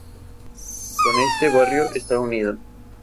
Con este barrio está unido.